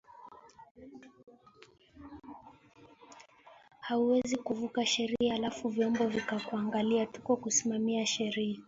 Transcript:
hauwezi kukavuja sheria halafu vyombo vika kuangalia tuko kusimamia sheria